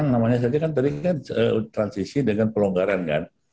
namanya tadi kan transisi dengan pelonggaran kan